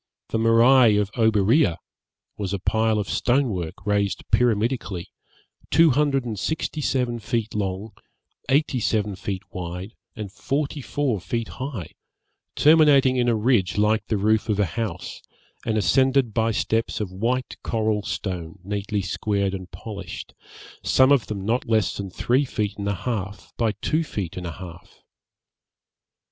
The morai of Oberea was a pile of stone work raised pyramidically, two hundred and sixty seven feet long, eighty seven feet wide, and forty four feet high, terminating in a ridge like the roof of a house, and ascended by steps of white coral stone neatly squared and polished, some of them not less than three feet and a half by two feet and a half.